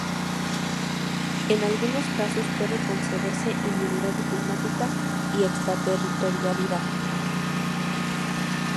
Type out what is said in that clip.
En algunos casos, puede concederse inmunidad diplomática y extraterritorialidad.